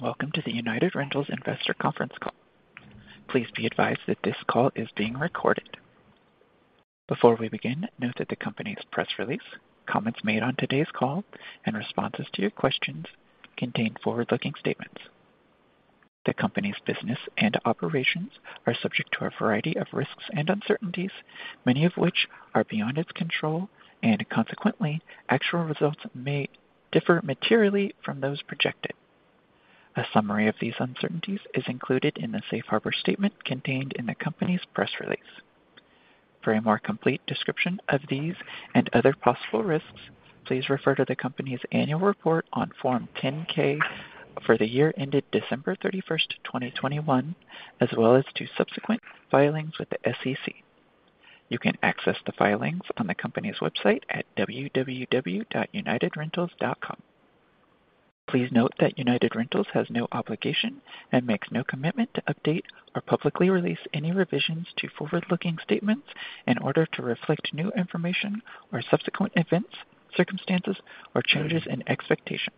Welcome to the United Rentals Investor Conference Call. Please be advised that this call is being recorded. Before we begin, note that the company's press release, comments made on today's call and responses to your questions contain forward-looking statements. The company's business and operations are subject to a variety of risks and uncertainties, many of which are beyond its control, and consequently, actual results may differ materially from those projected. A summary of these uncertainties is included in the safe harbor statement contained in the company's press release. For a more complete description of these and other possible risks, please refer to the company's annual report on Form 10-K for the year ended December 31, 2021, as well as to subsequent filings with the SEC. You can access the filings on the company's website at www.unitedrentals.com. Please note that United Rentals has no obligation and makes no commitment to update or publicly release any revisions to forward-looking statements in order to reflect new information or subsequent events, circumstances, or changes in expectations.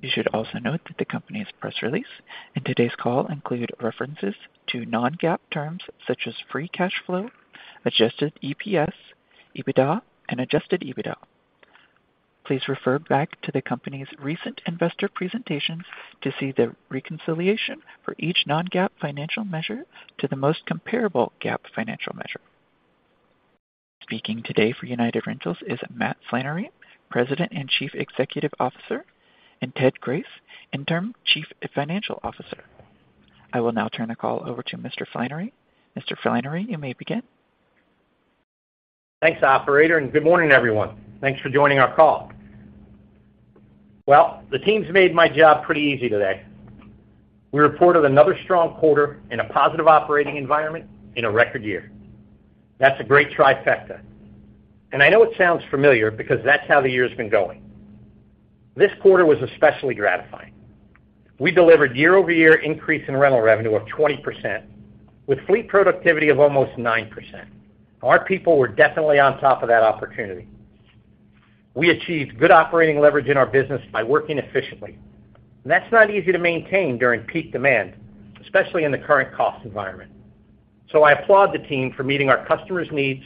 You should also note that the company's press release in today's call includes references to non-GAAP terms such as free cash flow, adjusted EPS, EBITDA, and adjusted EBITDA. Please refer back to the company's recent investor presentations to see the reconciliation for each non-GAAP financial measure to the most comparable GAAP financial measure. Speaking today for United Rentals is Matt Flannery, President and Chief Executive Officer, and Ted Grace, Interim Chief Financial Officer. I will now turn the call over to Mr. Flannery. Mr. Flannery, you may begin. Thanks, operator, and good morning, everyone. Thanks for joining our call. Well, the team's made my job pretty easy today. We reported another strong quarter in a positive operating environment in a record year. That's a great trifecta, and I know it sounds familiar because that's how the year's been going. This quarter was especially gratifying. We delivered year-over-year increase in rental revenue of 20% with fleet productivity of almost 9%. Our people were definitely on top of that opportunity. We achieved good operating leverage in our business by working efficiently. That's not easy to maintain during peak demand, especially in the current cost environment. I applaud the team for meeting our customers' needs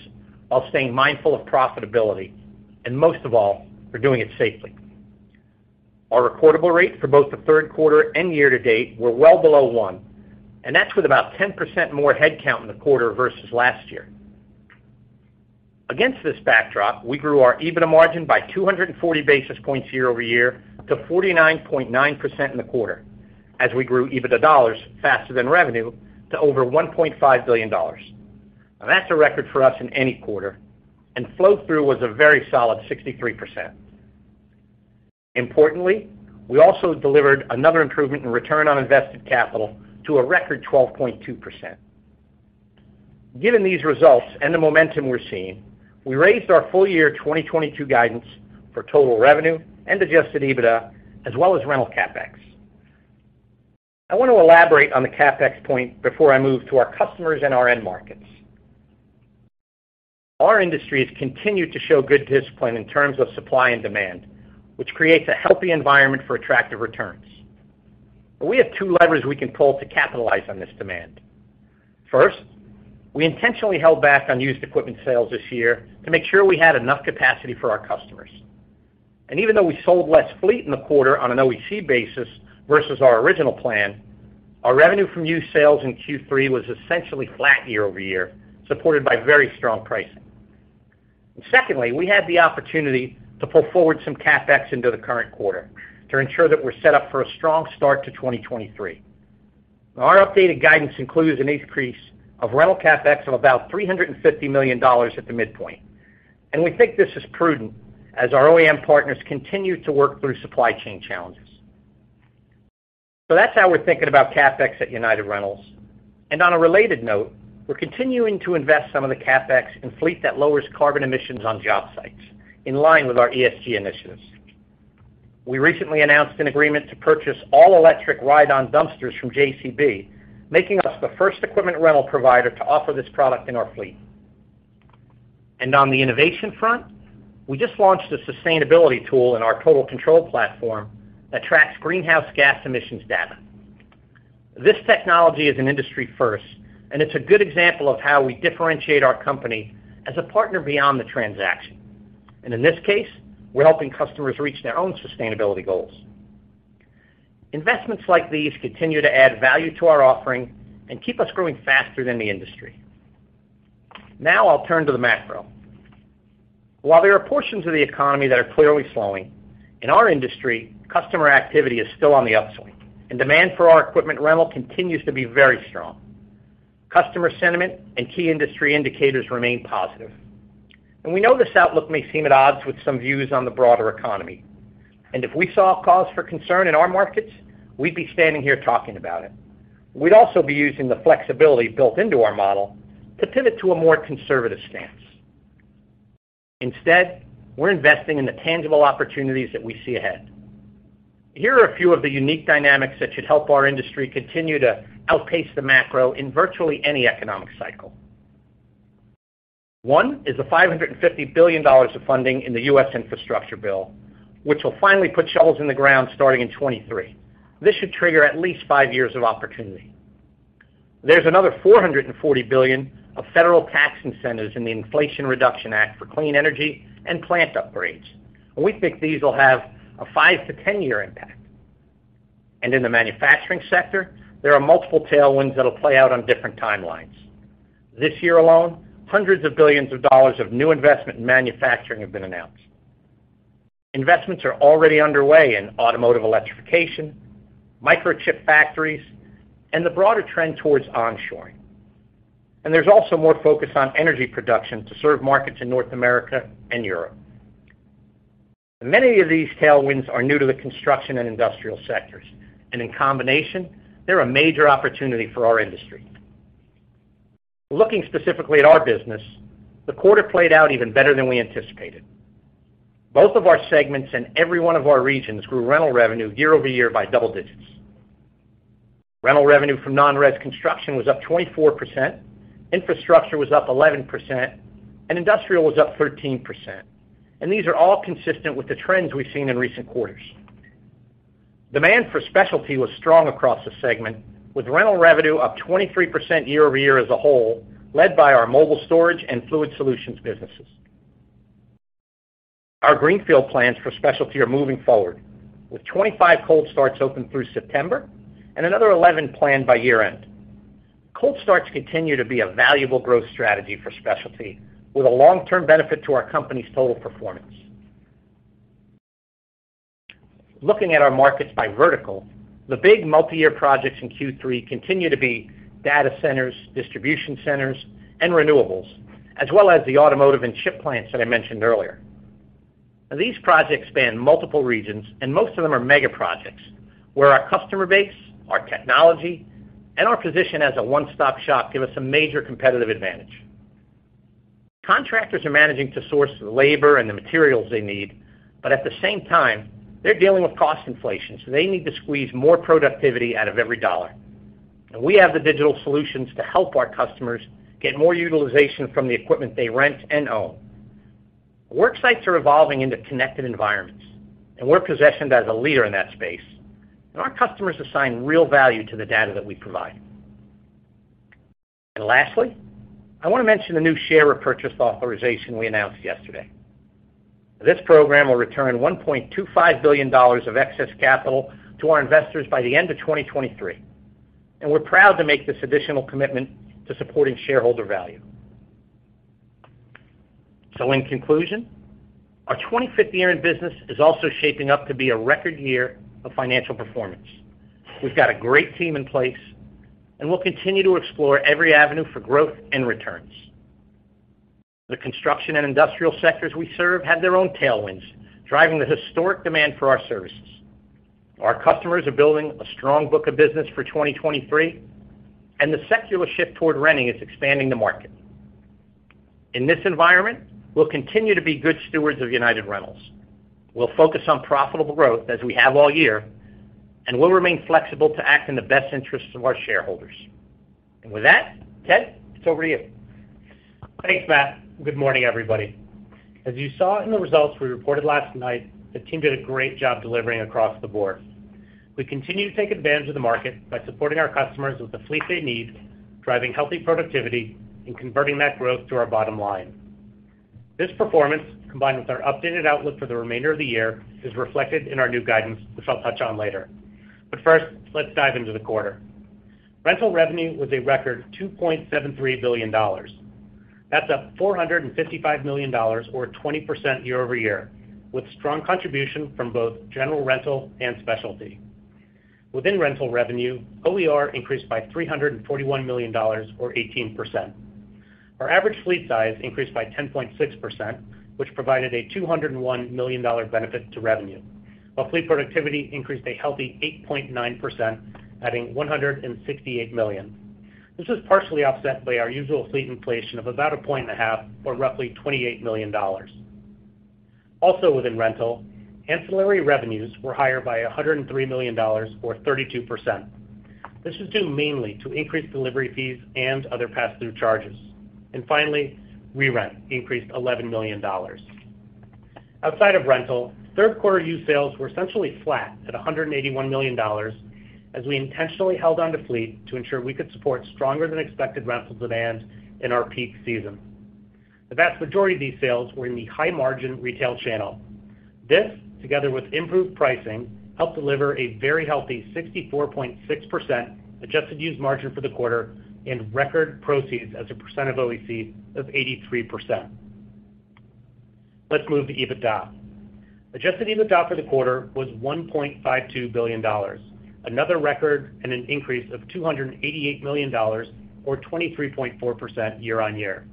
while staying mindful of profitability and most of all, for doing it safely. Our recordable rate for both the third quarter and year to date were well below 1, and that's with about 10% more headcount in the quarter versus last year. Against this backdrop, we grew our EBITDA margin by 240 basis points year-over-year to 49.9% in the quarter as we grew EBITDA dollars faster than revenue to over $1.5 billion. Now that's a record for us in any quarter, and flow through was a very solid 63%. Importantly, we also delivered another improvement in return on invested capital to a record 12.2%. Given these results and the momentum we're seeing, we raised our full-year 2022 guidance for total revenue and adjusted EBITDA as well as rental CapEx. I want to elaborate on the CapEx point before I move to our customers and our end markets. Our industry has continued to show good discipline in terms of supply and demand, which creates a healthy environment for attractive returns. We have two levers we can pull to capitalize on this demand. First, we intentionally held back on used equipment sales this year to make sure we had enough capacity for our customers. Even though we sold less fleet in the quarter on an OEC basis versus our original plan, our revenue from used sales in Q3 was essentially flat year-over-year, supported by very strong pricing. Secondly, we had the opportunity to pull forward some CapEx into the current quarter to ensure that we're set up for a strong start to 2023. Our updated guidance includes an increase of rental CapEx of about $350 million at the midpoint. We think this is prudent as our OEM partners continue to work through supply chain challenges. That's how we're thinking about CapEx at United Rentals. On a related note, we're continuing to invest some of the CapEx in fleet that lowers carbon emissions on job sites in line with our ESG initiatives. We recently announced an agreement to purchase all-electric ride-on dumpers from JCB, making us the first equipment rental provider to offer this product in our fleet. On the innovation front, we just launched a sustainability tool in our Total Control platform that tracks greenhouse gas emissions data. This technology is an industry first, and it's a good example of how we differentiate our company as a partner beyond the transaction. In this case, we're helping customers reach their own sustainability goals. Investments like these continue to add value to our offering and keep us growing faster than the industry. Now I'll turn to the macro. While there are portions of the economy that are clearly slowing, in our industry, customer activity is still on the upswing, and demand for our equipment rental continues to be very strong. Customer sentiment and key industry indicators remain positive. We know this outlook may seem at odds with some views on the broader economy. If we saw cause for concern in our markets, we'd be standing here talking about it. We'd also be using the flexibility built into our model to pivot to a more conservative stance. Instead, we're investing in the tangible opportunities that we see ahead. Here are a few of the unique dynamics that should help our industry continue to outpace the macro in virtually any economic cycle. One is the $550 billion of funding in the U.S. Infrastructure Bill, which will finally put shovels in the ground starting in 2023. This should trigger at least five years of opportunity. There's another $440 billion of federal tax incentives in the Inflation Reduction Act for clean energy and plant upgrades. We think these will have a five to 10 year impact. In the manufacturing sector, there are multiple tailwinds that'll play out on different timelines. This year alone, hundreds of billions of dollars of new investment in manufacturing have been announced. Investments are already underway in automotive electrification, microchip factories, and the broader trend towards onshoring. There's also more focus on energy production to serve markets in North America and Europe. Many of these tailwinds are new to the construction and industrial sectors, and in combination, they're a major opportunity for our industry. Looking specifically at our business, the quarter played out even better than we anticipated. Both of our segments and every one of our regions grew rental revenue year-over-year by double digits. Rental revenue from non-res construction was up 24%, infrastructure was up 11%, and industrial was up 13%. These are all consistent with the trends we've seen in recent quarters. Demand for specialty was strong across the segment, with rental revenue up 23% year-over-year as a whole, led by our mobile storage and Fluid Solutions businesses. Our greenfield plans for specialty are moving forward, with 25 cold starts open through September and another 11 planned by year-end. Cold starts continue to be a valuable growth strategy for specialty, with a long-term benefit to our company's total performance. Looking at our markets by vertical, the big multiyear projects in Q3 continue to be data centers, distribution centers, and renewables, as well as the automotive and chip plants that I mentioned earlier. These projects span multiple regions, and most of them are mega projects where our customer base, our technology, and our position as a one-stop shop give us a major competitive advantage. Contractors are managing to source the labor and the materials they need, but at the same time, they're dealing with cost inflation, so they need to squeeze more productivity out of every dollar. We have the digital solutions to help our customers get more utilization from the equipment they rent and own. Work sites are evolving into connected environments, and we're positioned as a leader in that space. Our customers assign real value to the data that we provide. Lastly, I want to mention the new share repurchase authorization we announced yesterday. This program will return $1.25 billion of excess capital to our investors by the end of 2023, and we're proud to make this additional commitment to supporting shareholder value. In conclusion, our 25th year in business is also shaping up to be a record year of financial performance. We've got a great team in place, and we'll continue to explore every avenue for growth and returns. The construction and industrial sectors we serve have their own tailwinds, driving the historic demand for our services. Our customers are building a strong book of business for 2023, and the secular shift toward renting is expanding the market. In this environment, we'll continue to be good stewards of United Rentals. We'll focus on profitable growth as we have all year, and we'll remain flexible to act in the best interests of our shareholders. With that, Ted, it's over to you. Thanks, Matt. Good morning, everybody. As you saw in the results we reported last night, the team did a great job delivering across the board. We continue to take advantage of the market by supporting our customers with the fleet they need, driving healthy productivity and converting that growth to our bottom line. This performance, combined with our updated outlook for the remainder of the year, is reflected in our new guidance, which I'll touch on later. First, let's dive into the quarter. Rental revenue was a record $2.73 billion. That's up $455 million or 20% year-over-year, with strong contribution from both general rental and specialty. Within rental revenue, OER increased by $341 million or 18%. Our average fleet size increased by 10.6%, which provided a $201 million benefit to revenue. While fleet productivity increased a healthy 8.9%, adding $168 million. This was partially offset by our usual fleet inflation of about 1.5% or roughly $28 million. Also within rental, ancillary revenues were higher by $103 million or 32%. This is due mainly to increased delivery fees and other pass-through charges. Finally, re-rent increased $11 million. Outside of rental, third quarter used sales were essentially flat at $181 million as we intentionally held on to fleet to ensure we could support stronger than expected rental demand in our peak season. The vast majority of these sales were in the high-margin retail channel. This, together with improved pricing, helped deliver a very healthy 64.6% adjusted used margin for the quarter and record proceeds as a percent of OEC of 83%. Let's move to EBITDA. Adjusted EBITDA for the quarter was $1.52 billion, another record and an increase of $288 million or 23.4% year-on-year.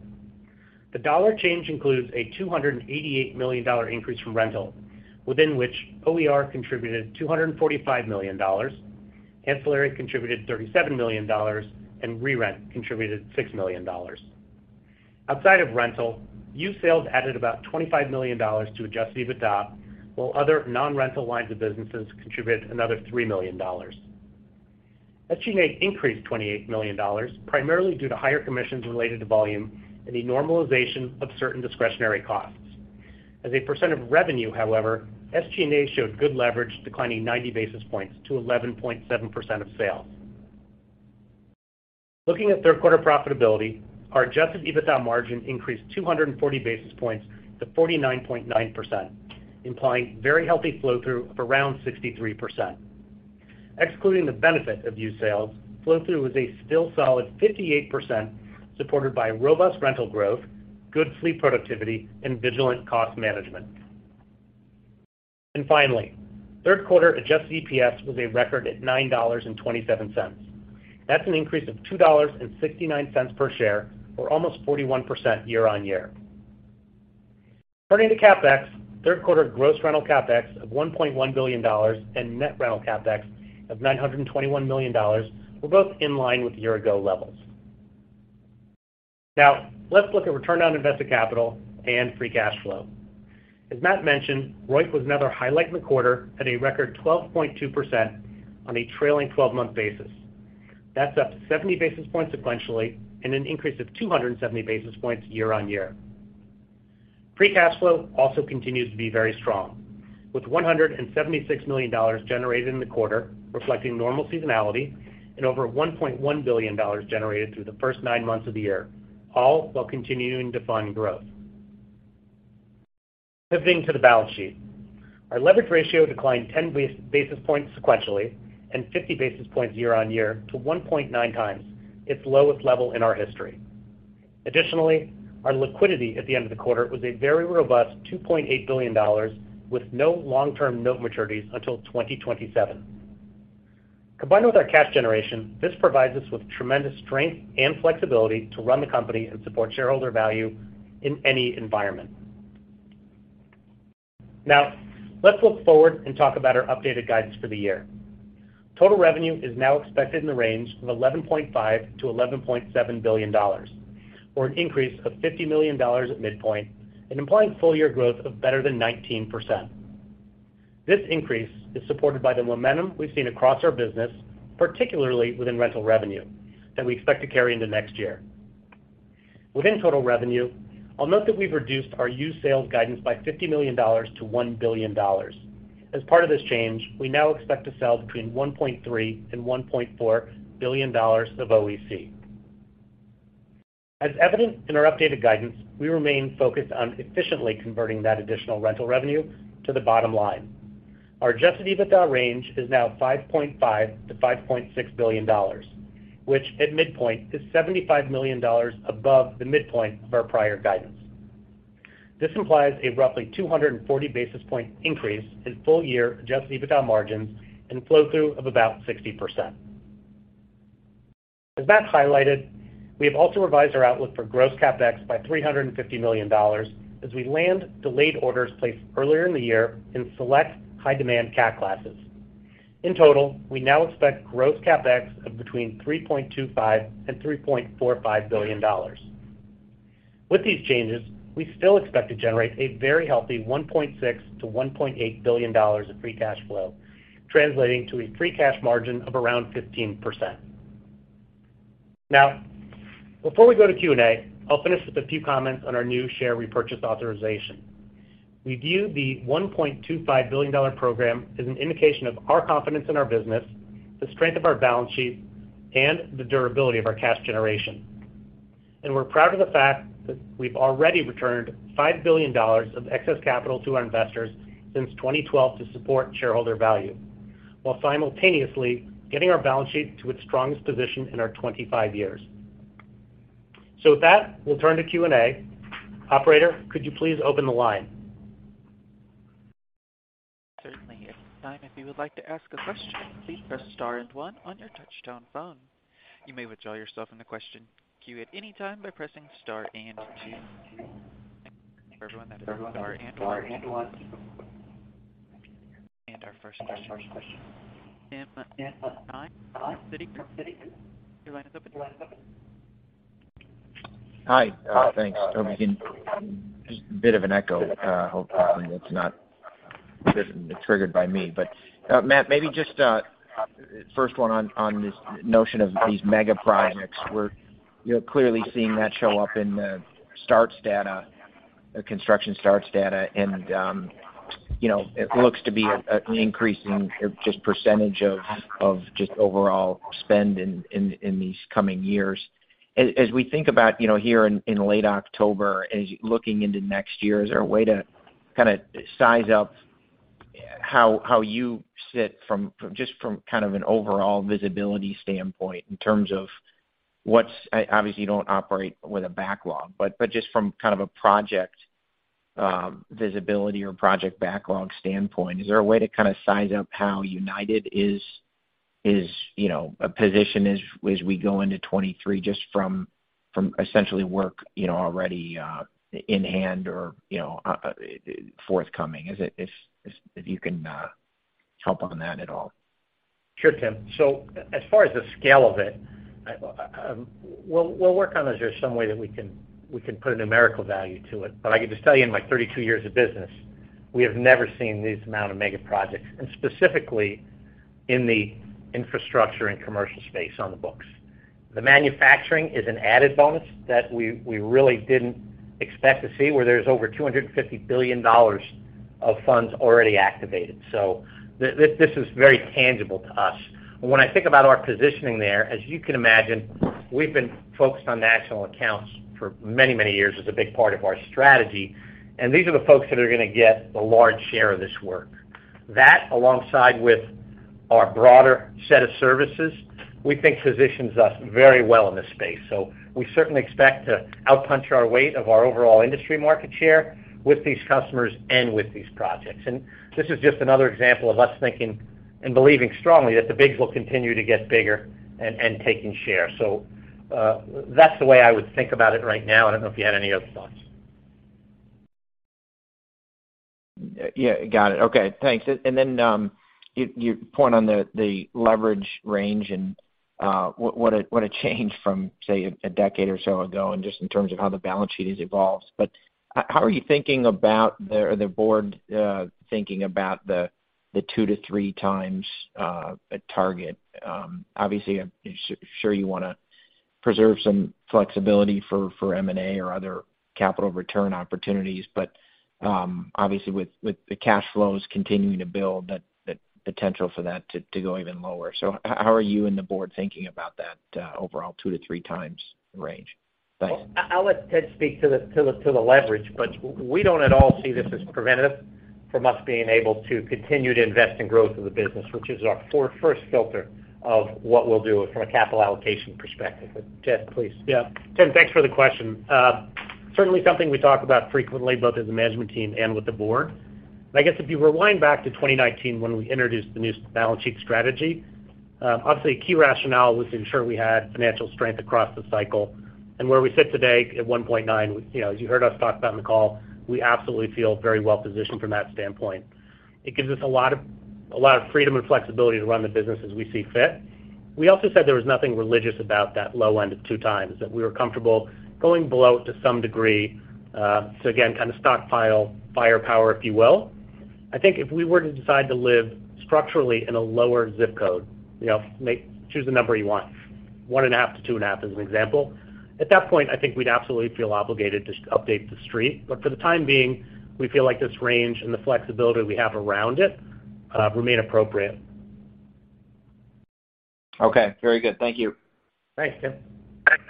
The dollar change includes a $288 million increase from rental, within which OER contributed $245 million, ancillary contributed $37 million, and re-rent contributed $6 million. Outside of rental, used sales added about $25 million to adjusted EBITDA, while other non-rental lines of businesses contributed another $3 million. SG&A increased $28 million, primarily due to higher commissions related to volume and the normalization of certain discretionary costs. As a percent of revenue, however, SG&A showed good leverage, declining 90 basis points to 11.7% of sales. Looking at third quarter profitability, our adjusted EBITDA margin increased 240 basis points to 49.9%, implying very healthy flow-through of around 63%. Excluding the benefit of used sales, flow-through was a still solid 58%, supported by robust rental growth, good fleet productivity, and vigilant cost management. Finally, third quarter adjusted EPS was a record at $9.27. That's an increase of $2.69 per share, or almost 41% year-over-year. Turning to CapEx, third quarter gross rental CapEx of $1.1 billion and net rental CapEx of $921 million were both in line with year-ago levels. Now, let's look at return on invested capital and free cash flow. As Matt mentioned, ROIC was another highlight in the quarter at a record 12.2% on a trailing twelve-month basis. That's up 70 basis points sequentially and an increase of 270 basis points year-on-year. Free cash flow also continues to be very strong, with $176 million generated in the quarter, reflecting normal seasonality and over $1.1 billion generated through the first nine months of the year, all while continuing to fund growth. Pivoting to the balance sheet. Our leverage ratio declined 10 basis points sequentially and 50 basis points year-on-year to 1.9 times, its lowest level in our history. Additionally, our liquidity at the end of the quarter was a very robust $2.8 billion, with no long-term note maturities until 2027. Combined with our cash generation, this provides us with tremendous strength and flexibility to run the company and support shareholder value in any environment. Now, let's look forward and talk about our updated guidance for the year. Total revenue is now expected in the range of $11.5 billion-$11.7 billion, or an increase of $50 million at midpoint and implying full-year growth of better than 19%. This increase is supported by the momentum we've seen across our business, particularly within rental revenue, that we expect to carry into next year. Within total revenue, I'll note that we've reduced our used sales guidance by $50 million to $1 billion. As part of this change, we now expect to sell between $1.3 billion and $1.4 billion of OEC. As evident in our updated guidance, we remain focused on efficiently converting that additional rental revenue to the bottom line. Our adjusted EBITDA range is now $5.5 billion-$5.6 billion, which at midpoint is $75 million above the midpoint of our prior guidance. This implies a roughly 240 basis point increase in full -year adjusted EBITDA margins and flow-through of about 60%. As Matt highlighted, we have also revised our outlook for gross CapEx by $350 million as we land delayed orders placed earlier in the year in select high-demand cat classes. In total, we now expect gross CapEx of between $3.25 billion and $3.45 billion. With these changes, we still expect to generate a very healthy $1.6 billion-$1.8 billion of free cash flow, translating to a free cash margin of around 15%. Now, before we go to Q&A, I'll finish with a few comments on our new share repurchase authorization. We view the $1.25 billion program as an indication of our confidence in our business, the strength of our balance sheet, and the durability of our cash generation. We're proud of the fact that we've already returned $5 billion of excess capital to our investors since 2012 to support shareholder value, while simultaneously getting our balance sheet to its strongest position in our 25 years. With that, we'll turn to Q&A. Operator, could you please open the line? Certainly. At this time, if you would like to ask a question, please press star and one on your touchtone phone. You may withdraw yourself from the question queue at any time by pressing star and two. Thank you to everyone that's star and one. Our first question, Tim, your line is open. Hi. Thanks, Toby. Just a bit of an echo. Hopefully it's not triggered by me. Matt, maybe just first one on this notion of these mega projects. We're clearly seeing that show up in the starts data, the construction starts data, and it looks to be an increasing just percentage of just overall spend in these coming years. As we think about here in late October, looking into next year, is there a way to kind of size up how you sit from just kind of an overall visibility standpoint in terms of what's Obviously, you don't operate with a backlog, but just from kind of a project visibility or project backlog standpoint, is there a way to kind of size up how United is, you know, a position as we go into 2023 just from essentially work, you know, already in hand or, you know, forthcoming? If you can help on that at all. Sure, Tim. As far as the scale of it, we'll work on if there's some way that we can put a numerical value to it. But I can just tell you, in my 32 years of business We have never seen this amount of mega projects, specifically in the infrastructure and commercial space on the books. The manufacturing is an added bonus that we really didn't expect to see where there's over $250 billion of funds already activated. This is very tangible to us. When I think about our positioning there, as you can imagine, we've been focused on national accounts for many years as a big part of our strategy. These are the folks that are gonna get the large share of this work. That, alongside with our broader set of services, we think positions us very well in this space. We certainly expect to out-punch our weight of our overall industry market share with these customers and with these projects. This is just another example of us thinking and believing strongly that the bigs will continue to get bigger and taking share. That's the way I would think about it right now. I don't know if you had any other thoughts. Yeah. Got it. Okay. Thanks. Then, you point on the leverage range and what a change from, say, a decade or so ago, and just in terms of how the balance sheet has evolved. But how are you or the board thinking about the two to three times target? Obviously, I'm sure you wanna preserve some flexibility for M&A or other capital return opportunities. But obviously, with the cash flows continuing to build, the potential for that to go even lower. How are you and the board thinking about that overall two to three times range? Thanks. I'll let Ted speak to the leverage, but we don't at all see this as preventative from us being able to continue to invest in growth of the business, which is our first filter of what we'll do from a capital allocation perspective. Ted, please. Yeah. Tim, thanks for the question. Certainly something we talk about frequently, both as a management team and with the board. I guess if you rewind back to 2019 when we introduced the new balance sheet strategy, obviously, a key rationale was to ensure we had financial strength across the cycle. Where we sit today at 1.9, you know, as you heard us talk about on the call, we absolutely feel very well positioned from that standpoint. It gives us a lot of freedom and flexibility to run the business as we see fit. We also said there was nothing religious about that low end of 2x, that we were comfortable going below it to some degree, so again, kind of stockpile firepower, if you will. I think if we were to decide to live structurally in a lower ZIP Code, you know, choose the number you want, 1.5-2.5 as an example, at that point, I think we'd absolutely feel obligated to update The Street. For the time being, we feel like this range and the flexibility we have around it remain appropriate. Okay. Very good. Thank you. Thanks, Tim. Thanks.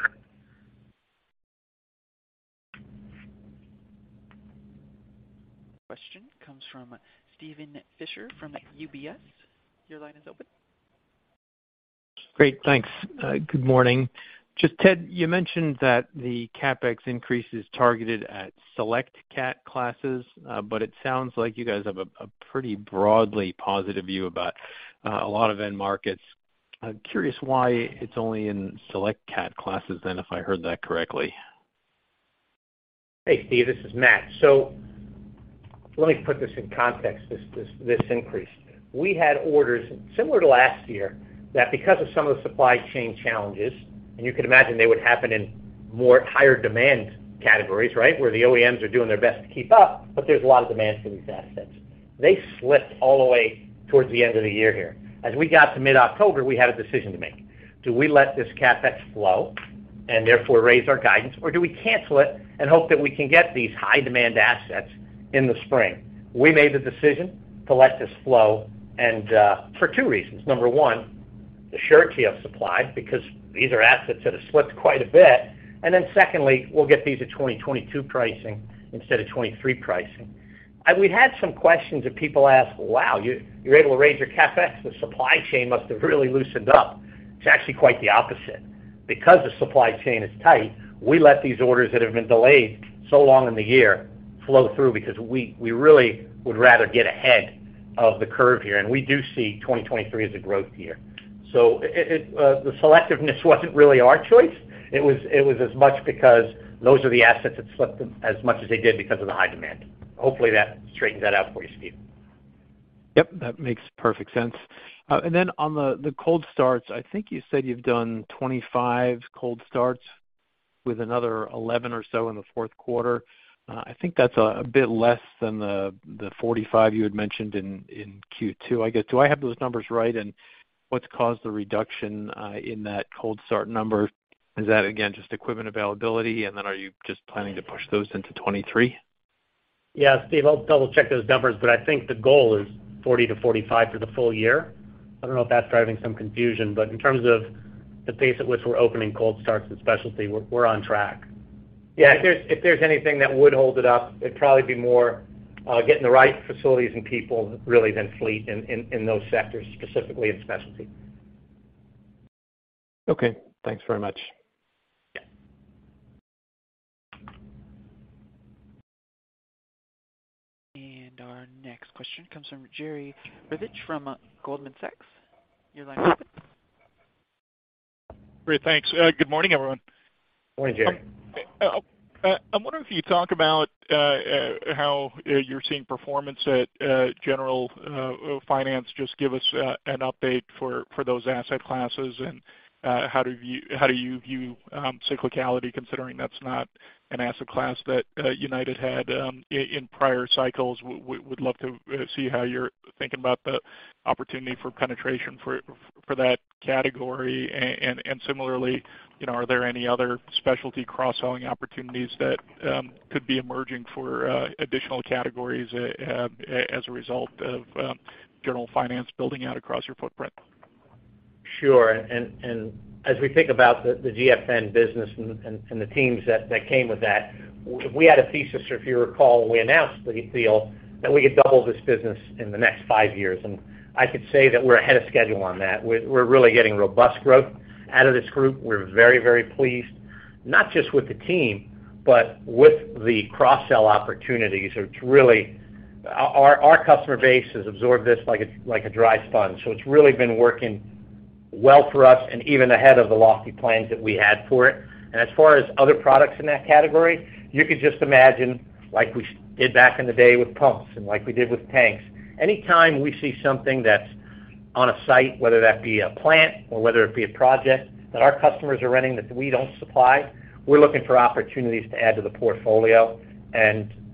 Question comes from Steven Fisher from UBS. Your line is open. Great. Thanks. Good morning. Just Ted, you mentioned that the CapEx increase is targeted at select cat classes, but it sounds like you guys have a pretty broadly positive view about a lot of end markets. I'm curious why it's only in select cat classes then, if I heard that correctly. Hey, Steve, this is Matt. Let me put this in context, this increase. We had orders similar to last year that because of some of the supply chain challenges, and you could imagine they would happen in more higher demand categories, right? Where the OEMs are doing their best to keep up, but there's a lot of demand for these assets. They slipped all the way towards the end of the year here. As we got to mid-October, we had a decision to make. Do we let this CapEx flow and therefore raise our guidance? Or do we cancel it and hope that we can get these high demand assets in the spring? We made the decision to let this flow and for two reasons. Number one, the surety of supply because these are assets that have slipped quite a bit. Then secondly, we'll get these at 2022 pricing instead of 2023 pricing. We've had some questions that people ask, "Wow, you're able to raise your CapEx. The supply chain must have really loosened up." It's actually quite the opposite. Because the supply chain is tight, we let these orders that have been delayed so long in the year flow through because we really would rather get ahead of the curve here. We do see 2023 as a growth year. It, the selectiveness wasn't really our choice. It was as much because those are the assets that slipped as much as they did because of the high demand. Hopefully, that straightened that out for you, Steve. Yep, that makes perfect sense. On the cold starts, I think you said you've done 25 cold starts with another 11 or so in the fourth quarter. I think that's a bit less than the 45 you had mentioned in Q2. I guess, do I have those numbers right, and what's caused the reduction in that cold start number? Is that again, just equipment availability, and then are you just planning to push those into 2023? Yeah, Steve, I'll double check those numbers, but I think the goal is 40-45 for the full- year. I don't know if that's driving some confusion. In terms of the pace at which we're opening cold starts in specialty, we're on track. Yeah. If there's anything that would hold it up, it'd probably be more getting the right facilities and people really than fleet in those sectors, specifically in specialty. Okay. Thanks very much. Yeah. Our next question comes from Jerry Revich from Goldman Sachs. Your line is open. Great. Thanks. Good morning, everyone. Morning, Jerry. I'm wondering if you talk about how you're seeing performance at General Finance. Just give us an update for those asset classes and how do you view cyclicality considering that's not an asset class that United had in prior cycles. Would love to see how you're thinking about the opportunity for penetration for that category. Similarly, you know, are there any other specialty cross-selling opportunities that could be emerging for additional categories as a result of General Finance building out across your footprint? Sure. As we think about the GFN business and the teams that came with that, we had a thesis, if you recall, when we announced the deal that we could double this business in the next five years, and I could say that we're ahead of schedule on that. We're really getting robust growth out of this group. We're very pleased, not just with the team, but with the cross-sell opportunities. It's really. Our customer base has absorbed this like a dry sponge, so it's really been working well for us and even ahead of the lofty plans that we had for it. As far as other products in that category, you could just imagine, like we did back in the day with pumps and like we did with tanks, anytime we see something that's on a site, whether that be a plant or whether it be a project that our customers are running that we don't supply, we're looking for opportunities to add to the portfolio.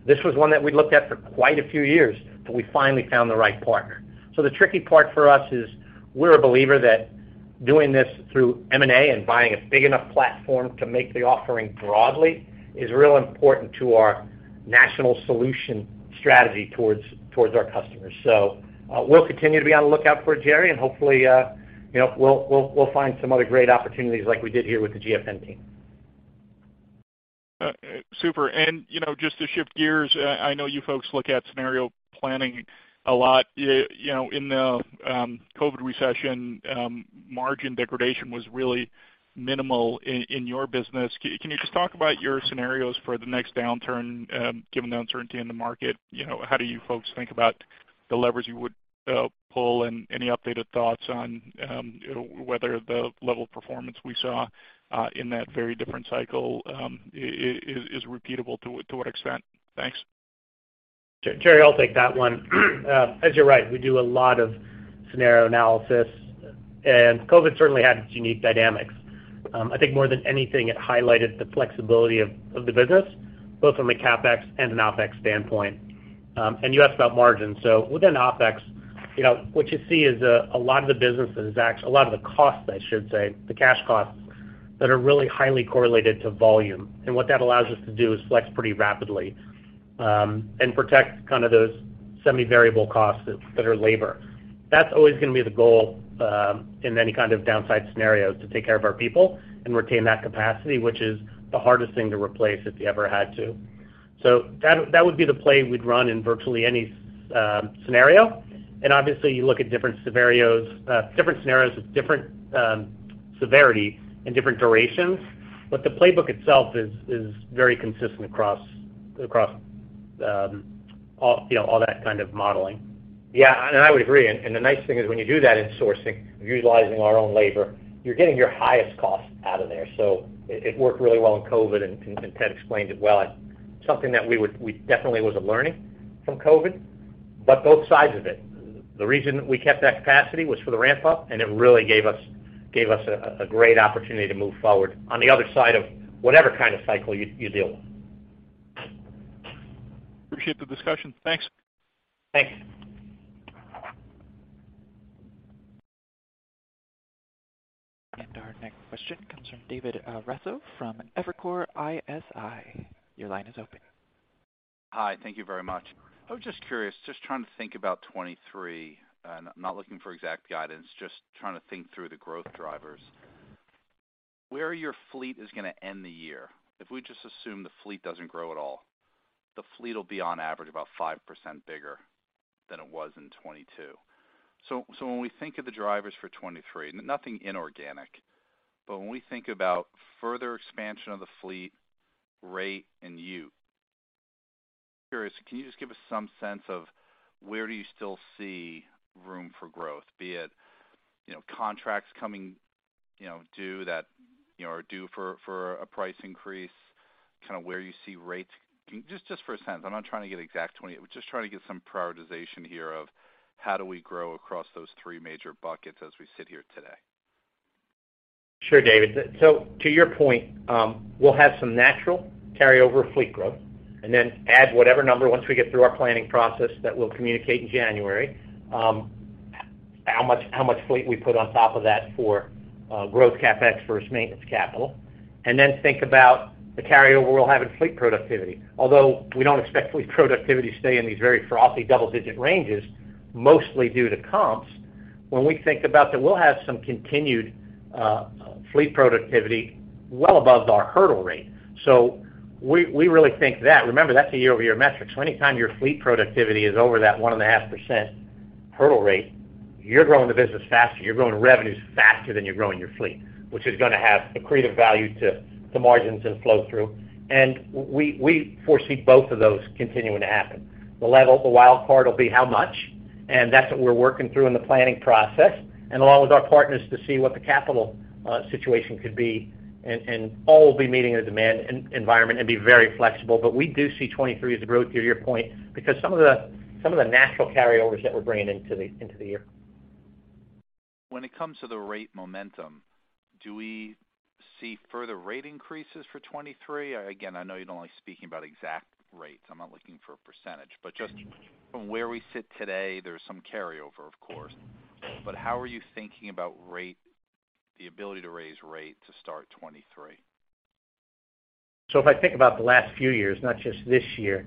This was one that we looked at for quite a few years, but we finally found the right partner. The tricky part for us is we're a believer that doing this through M&A and buying a big enough platform to make the offering broadly is real important to our national solution strategy towards our customers. We'll continue to be on the lookout for it, Jerry, and hopefully, you know, we'll find some other great opportunities like we did here with the GFN team. Super. You know, just to shift gears, I know you folks look at scenario planning a lot. You know, in the COVID recession, margin degradation was really minimal in your business. Can you just talk about your scenarios for the next downturn, given the uncertainty in the market? You know, how do you folks think about the levers you would pull, and any updated thoughts on, you know, whether the level of performance we saw in that very different cycle is repeatable, to what extent? Thanks. Jerry, I'll take that one. As you're right, we do a lot of scenario analysis, and COVID certainly had its unique dynamics. I think more than anything, it highlighted the flexibility of the business, both from a CapEx and an OpEx standpoint. You asked about margins. Within OpEx, you know, what you see is a lot of the costs, I should say, the cash costs that are really highly correlated to volume. What that allows us to do is flex pretty rapidly, and protect kind of those semi-variable costs that are labor. That's always gonna be the goal, in any kind of downside scenarios, to take care of our people and retain that capacity, which is the hardest thing to replace if you ever had to. That would be the play we'd run in virtually any scenario. Obviously, you look at different scenarios with different severity and different durations, but the playbook itself is very consistent across all, you know, all that kind of modeling. Yeah, I would agree. The nice thing is when you do that in sourcing, utilizing our own labor, you're getting your highest cost out of there. It worked really well in COVID, and Ted explained it well. We definitely was a learning from COVID, but both sides of it. The reason we kept that capacity was for the ramp-up, and it really gave us a great opportunity to move forward on the other side of whatever kind of cycle you deal with. Appreciate the discussion. Thanks. Thanks. Our next question comes from David Raso from Evercore ISI. Your line is open. Hi. Thank you very much. I was just curious, just trying to think about 2023, and I'm not looking for exact guidance, just trying to think through the growth drivers. Where your fleet is gonna end the year, if we just assume the fleet doesn't grow at all, the fleet will be on average about 5% bigger than it was in 2022. When we think of the drivers for 2023, nothing inorganic, but when we think about further expansion of the fleet rate and you, curious, can you just give us some sense of where do you still see room for growth, be it, you know, contracts coming, you know, due that, you know, are due for a price increase, kind of where you see rates? Can you just for a sense, I'm not trying to get exact 2020, just trying to get some prioritization here of how do we grow across those three major buckets as we sit here today? Sure, David. To your point, we'll have some natural carryover fleet growth, and then add whatever number once we get through our planning process that we'll communicate in January, how much fleet we put on top of that for growth CapEx versus maintenance capital, and then think about the carryover we'll have in fleet productivity. Although we don't expect fleet productivity to stay in these very frothy double-digit ranges, mostly due to comps, when we think about that, we'll have some continued fleet productivity well above our hurdle rate. We really think that. Remember, that's a year-over-year metric, so anytime your fleet productivity is over that 1.5% hurdle rate, you're growing the business faster, you're growing revenues faster than you're growing your fleet, which is gonna have accretive value to margins and flow through. We foresee both of those continuing to happen. The wild card will be how much, and that's what we're working through in the planning process, and along with our partners to see what the capital situation could be and all will be meeting the demand environment and be very flexible. But we do see 2023 as a growth year, to your point, because some of the natural carryovers that we're bringing into the year. When it comes to the rate momentum, do we see further rate increases for 2023? Again, I know you don't like speaking about exact rates. I'm not looking for a percentage, but just from where we sit today, there's some carryover, of course. How are you thinking about rate, the ability to raise rate to start 2023? If I think about the last few years, not just this year,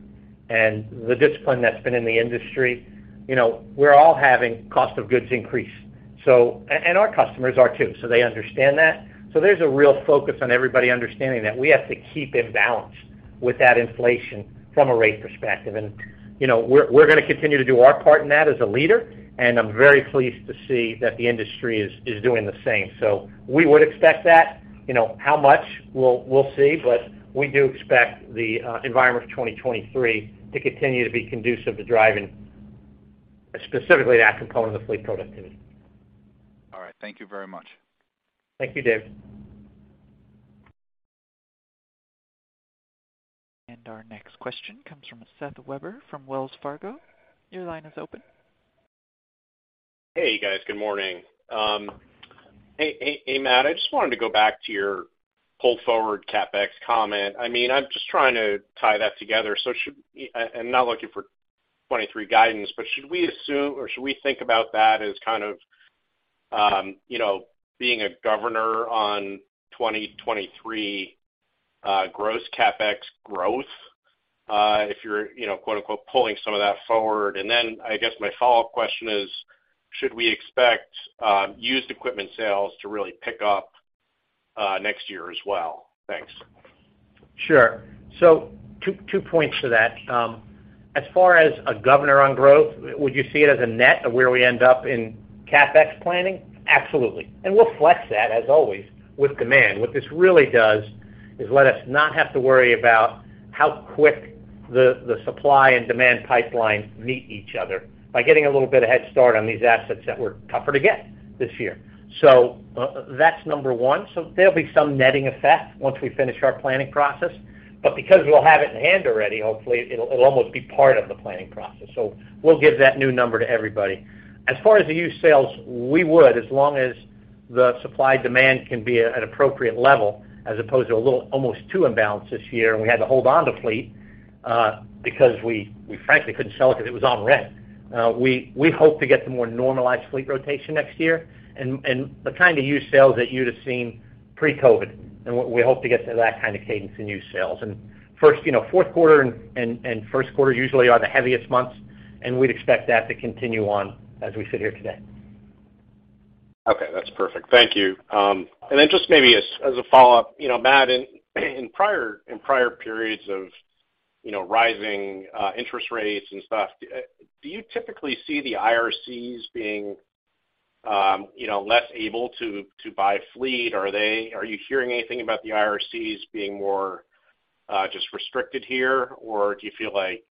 and the discipline that's been in the industry, you know, we're all having cost of goods increase, and our customers are too. They understand that. There's a real focus on everybody understanding that we have to keep in balance with that inflation from a rate perspective. You know, we're gonna continue to do our part in that as a leader, and I'm very pleased to see that the industry is doing the same. We would expect that. You know, how much? We'll see, but we do expect the environment of 2023 to continue to be conducive to driving specifically that component of fleet productivity. All right. Thank you very much. Thank you, Dave. Our next question comes from Seth Weber from Wells Fargo. Your line is open. Hey you guys. Good morning. Hey, Matt. I just wanted to go back to your pull forward CapEx comment. I mean, I'm just trying to tie that together. I'm not looking for 2023 guidance, but should we assume, or should we think about that as kind of, you know, being a governor on 2023 gross CapEx growth, if you're, you know, quote, unquote, "pulling some of that forward?" And then I guess my follow-up question is. Should we expect used equipment sales to really pick up next year as well? Thanks. Sure. Two points to that. As far as a governor on growth, would you see it as a net of where we end up in CapEx planning? Absolutely. We'll flex that as always with demand. What this really does is let us not have to worry about how quick the supply and demand pipeline meet each other by getting a little bit of head start on these assets that were tougher to get this year. That's number one. There'll be some netting effect once we finish our planning process. Because we'll have it in hand already, hopefully it'll almost be part of the planning process. We'll give that new number to everybody. As far as the used sales, we would, as long as the supply-demand can be at an appropriate level as opposed to a little almost too imbalanced this year and we had to hold on to fleet, because we frankly couldn't sell it 'cause it was on rent. We hope to get to more normalized fleet rotation next year and the kind of used sales that you'd have seen pre-COVID, and we hope to get to that kind of cadence in used sales. First, you know, fourth quarter and first quarter usually are the heaviest months, and we'd expect that to continue on as we sit here today. Okay, that's perfect. Thank you. Then just maybe as a follow-up. You know, Matt, in prior periods of, you know, rising interest rates and stuff, do you typically see the IRCs being, you know, less able to buy fleet? Are you hearing anything about the IRCs being more just restricted here? Or do you feel like,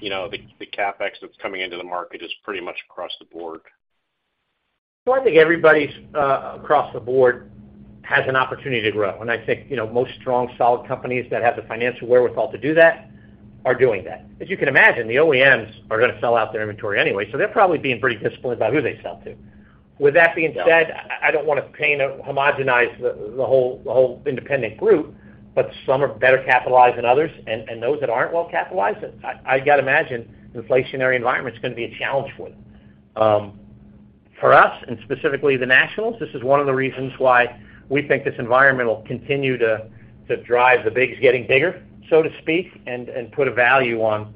you know, the CapEx that's coming into the market is pretty much across the board? I think everybody's across the board has an opportunity to grow. I think, you know, most strong, solid companies that have the financial wherewithal to do that are doing that. As you can imagine, the OEMs are gonna sell out their inventory anyway, so they're probably being pretty disciplined about who they sell to. With that being said, I don't want to paint or homogenize the whole independent group, but some are better capitalized than others. Those that aren't well capitalized, I gotta imagine the inflationary environment's gonna be a challenge for them. For us, specifically the nationals, this is one of the reasons why we think this environment will continue to drive the bigs getting bigger, so to speak, and put a value on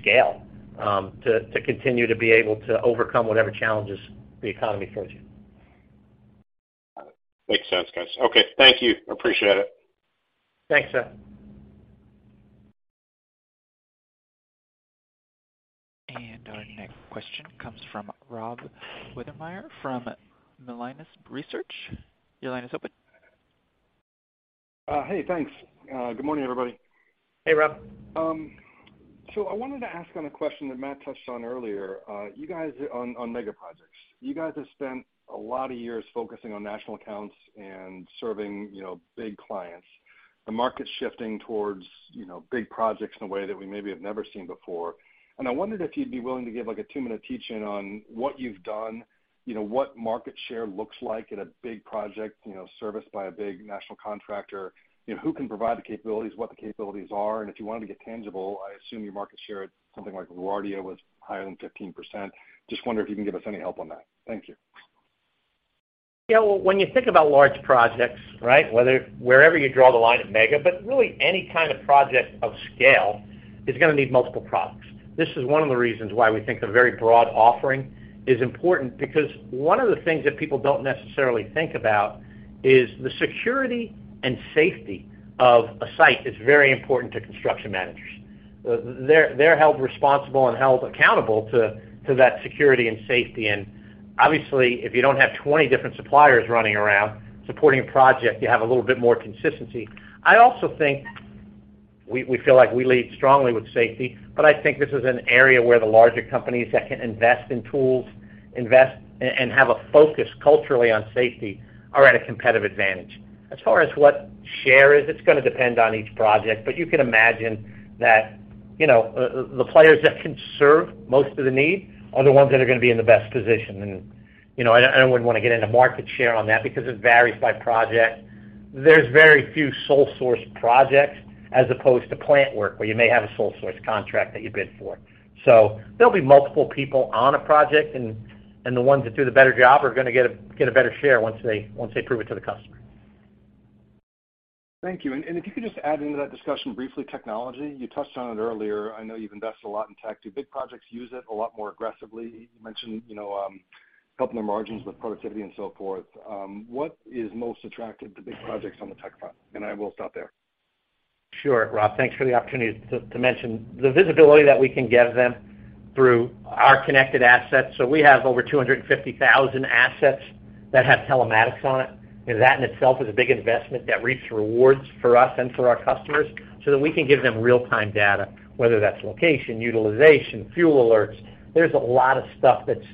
scale, to continue to be able to overcome whatever challenges the economy throws you. Makes sense, guys. Okay. Thank you. Appreciate it. Thanks, Seth. Our next question comes from Rob Wertheimer from Melius Research. Your line is open. Hey, thanks. Good morning, everybody. Hey, Rob. I wanted to ask on a question that Matt touched on earlier. You guys on mega projects. You guys have spent a lot of years focusing on national accounts and serving, you know, big clients. The market's shifting towards, you know, big projects in a way that we maybe have never seen before. I wondered if you'd be willing to give, like, a two-minute teach-in on what you've done. You know, what market share looks like in a big project, you know, serviced by a big national contractor. You know, who can provide the capabilities, what the capabilities are, and if you wanted to get tangible, I assume your market share at something like LaGuardia was higher than 15%. Just wonder if you can give us any help on that. Thank you. Yeah. When you think about large projects, right? Whether wherever you draw the line at mega, but really any kind of project of scale is gonna need multiple products. This is one of the reasons why we think the very broad offering is important, because one of the things that people don't necessarily think about is the security and safety of a site is very important to construction managers. They're held responsible and held accountable to that security and safety. Obviously, if you don't have 20 different suppliers running around supporting a project, you have a little bit more consistency. I also think we feel like we lead strongly with safety, but I think this is an area where the larger companies that can invest in tools and have a focus culturally on safety are at a competitive advantage. As far as what share is, it's gonna depend on each project, but you can imagine that. You know, the players that can serve most of the need are the ones that are gonna be in the best position. You know, I wouldn't wanna get into market share on that because it varies by project. There's very few sole source projects as opposed to plant work where you may have a sole source contract that you bid for. There'll be multiple people on a project, and the ones that do the better job are gonna get a better share once they prove it to the customer. Thank you. If you could just add into that discussion briefly technology. You touched on it earlier. I know you've invested a lot in tech. Do big projects use it a lot more aggressively? You mentioned, you know, helping the margins with productivity and so forth. What is most attractive to big projects on the tech front? I will stop there. Sure, Rob. Thanks for the opportunity to mention. The visibility that we can give them through our connected assets. We have over 250,000 assets that have telematics on it, and that in itself is a big investment that reaps rewards for us and for our customers so that we can give them real-time data, whether that's location, utilization, fuel alerts. There's a lot of stuff that's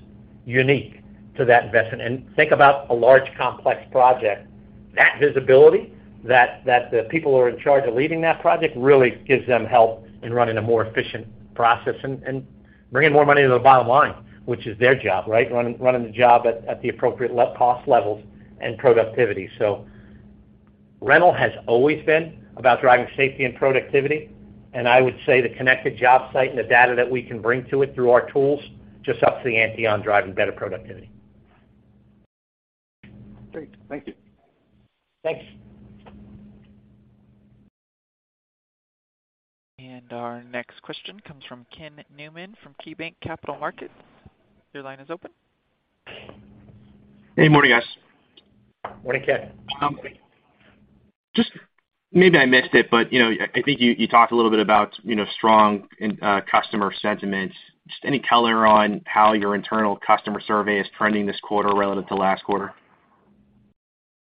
unique to that investment. Think about a large complex project. That visibility that the people who are in charge of leading that project really gives them help in running a more efficient process and bringing more money to the bottom line, which is their job, right? Running the job at the appropriate cost levels and productivity. Rental has always been about driving safety and productivity, and I would say the connected job site and the data that we can bring to it through our tools just ups the ante on driving better productivity. Great. Thank you. Thanks. Our next question comes from Kenneth Newman from KeyBanc Capital Markets. Your line is open. Hey, morning, guys. Morning, Ken. Just maybe I missed it, but, you know, I think you talked a little bit about, you know, strong customer sentiment. Just any color on how your internal customer survey is trending this quarter relative to last quarter?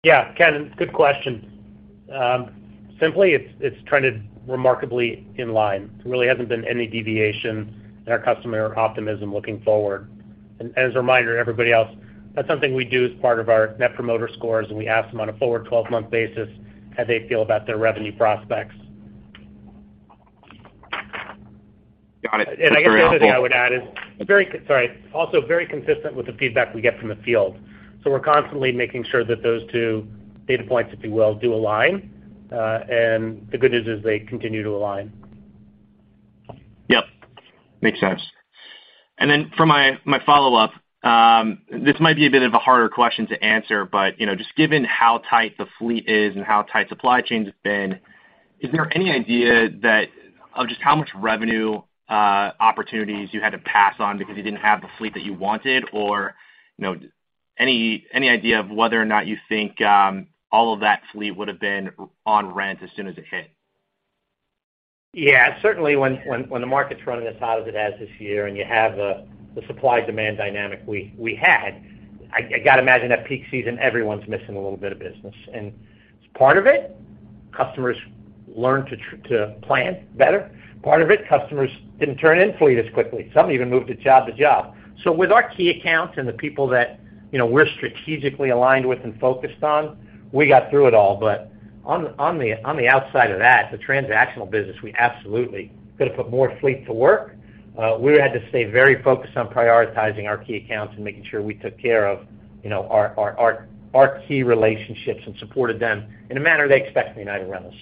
Yeah. Ken, good question. Simply it's trended remarkably in line. There really hasn't been any deviation in our customer optimism looking forward. As a reminder to everybody else, that's something we do as part of our Net Promoter Score, and we ask them on a forward 12-month basis how they feel about their revenue prospects. Got it. I think the other thing I would add is also very consistent with the feedback we get from the field. We're constantly making sure that those two data points, if you will, do align. The good news is they continue to align. Yep. Makes sense. For my follow-up, this might be a bit of a harder question to answer, but you know, just given how tight the fleet is and how tight supply chain has been, is there any idea of just how much revenue opportunities you had to pass on because you didn't have the fleet that you wanted or, you know, any idea of whether or not you think all of that fleet would've been on rent as soon as it hit? Yeah. Certainly when the market's running as hot as it has this year and you have the supply-demand dynamic we had, I gotta imagine that peak season, everyone's missing a little bit of business. Part of it, customers learn to plan better. Part of it, customers didn't turn in fleet as quickly. Some even moved to job to job. With our key accounts and the people that, you know, we're strategically aligned with and focused on, we got through it all. On the outside of that, the transactional business, we absolutely could have put more fleet to work. We had to stay very focused on prioritizing our key accounts and making sure we took care of, you know, our key relationships and supported them in a manner they expect from United Rentals.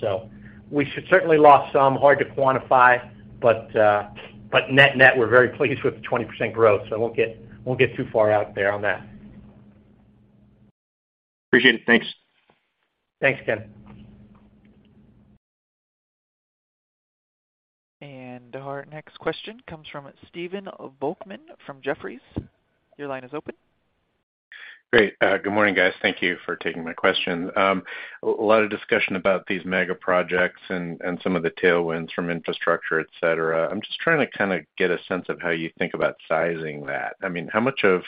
We certainly lost some. Hard to quantify, but net-net, we're very pleased with the 20% growth, so I won't get too far out there on that. Appreciate it. Thanks. Thanks, Ken. Our next question comes from Stephen Volkmann from Jefferies. Your line is open. Great. Good morning, guys. Thank you for taking my question. A lot of discussion about these mega projects and some of the tailwinds from infrastructure, et cetera. I'm just trying to kinda get a sense of how you think about sizing that. I mean, how much of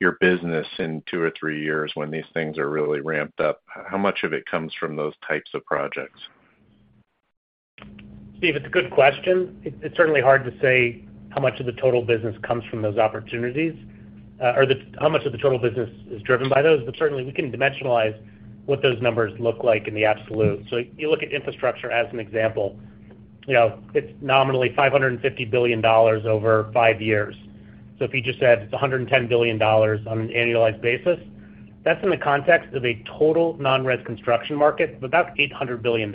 your business in two or three years when these things are really ramped up, how much of it comes from those types of projects? Steve, it's a good question. It's certainly hard to say how much of the total business comes from those opportunities, how much of the total business is driven by those, but certainly we can dimensionalize what those numbers look like in the absolute. You look at infrastructure as an example, you know, it's nominally $550 billion over five years. If you just said it's $110 billion on an annualized basis, that's in the context of a total non-res construction market of about $800 billion.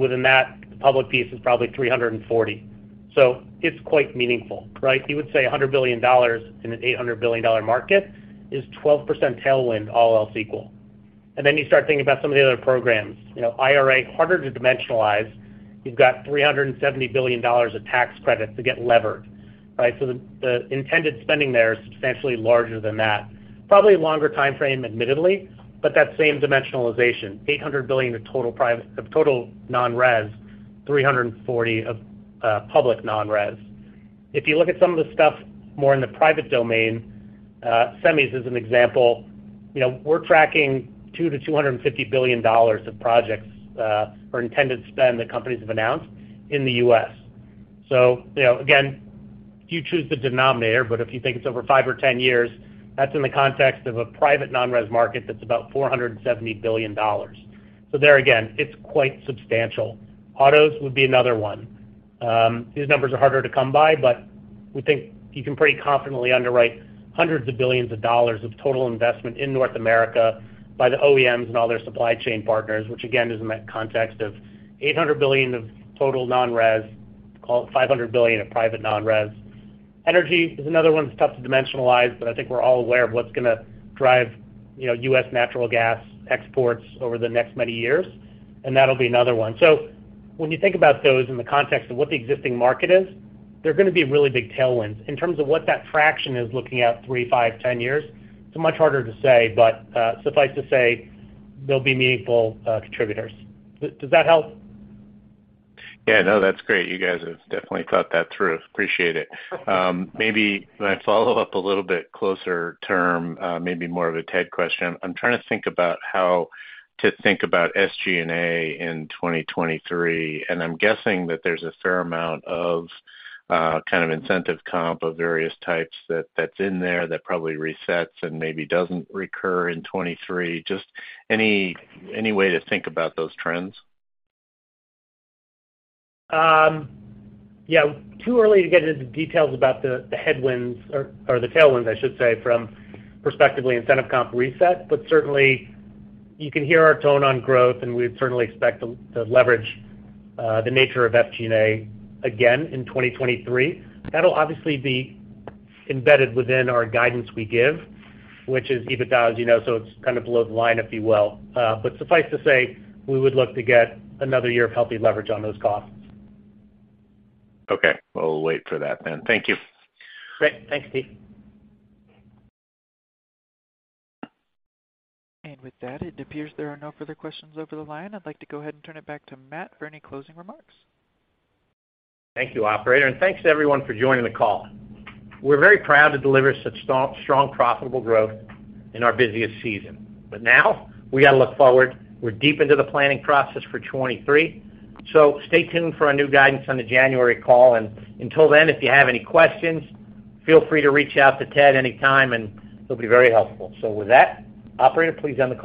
Within that, the public piece is probably $340 billion. It's quite meaningful, right? You would say $100 billion in an $800 billion market is 12% tailwind, all else equal. You start thinking about some of the other programs. You know, IRA, harder to dimensionalize. You've got $370 billion of tax credits to get levered, right? So the intended spending there is substantially larger than that. Probably longer timeframe admittedly, but that same dimensionalization, $800 billion of total private non-res, $340 billion of public non-res. If you look at some of the stuff more in the private domain, semis as an example, you know, we're tracking $200 billion-$250 billion of projects or intended spend that companies have announced in the US. So, you know, again, if you choose the denominator, but if you think it's over five or 10 years, that's in the context of a private non-res market that's about $470 billion. So there again, it's quite substantial. Autos would be another one. These numbers are harder to come by, but we think you can pretty confidently underwrite hundreds of billions of dollars of total investment in North America by the OEMs and all their supply chain partners, which again, is in the context of $800 billion of total non-res, call it $500 billion of private non-res. Energy is another one that's tough to dimensionalize, but I think we're all aware of what's gonna drive, you know, U.S. natural gas exports over the next many years, and that'll be another one. When you think about those in the context of what the existing market is, they're gonna be really big tailwinds. In terms of what that traction is looking at three, five, 10 years, it's much harder to say, but suffice to say they'll be meaningful contributors. Does that help? Yeah, no, that's great. You guys have definitely thought that through. Appreciate it. Maybe my follow-up a little bit closer term, maybe more of a Ted question. I'm trying to think about how to think about SG&A in 2023, and I'm guessing that there's a fair amount of kind of incentive comp of various types that's in there that probably resets and maybe doesn't recur in 2023. Just any way to think about those trends? Too early to get into details about the headwinds or the tailwinds, I should say, from prospective incentive comp reset. Certainly you can hear our tone on growth, and we certainly expect to leverage the nature of SG&A again in 2023. That'll obviously be embedded within our guidance we give, which is EBITDA, as you know, so it's kind of below the line, if you will. Suffice to say, we would look to get another year of healthy leverage on those costs. Okay. We'll wait for that then. Thank you. Great. Thanks, Steve. With that, it appears there are no further questions over the line. I'd like to go ahead and turn it back to Matt for any closing remarks. Thank you, operator, and thanks everyone for joining the call. We're very proud to deliver such strong, profitable growth in our busiest season. Now we gotta look forward. We're deep into the planning process for 2023, so stay tuned for our new guidance on the January call. Until then, if you have any questions, feel free to reach out to Ted anytime, and he'll be very helpful. With that, operator, please unmute Ted.